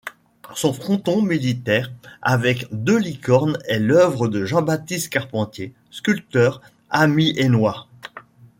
Son fronton militaire avec deux licornes est l'œuvre de Jean-Baptiste Carpentier, sculpteur amiénois.